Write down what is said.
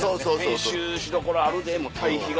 編集しどころあるで対比がすごい。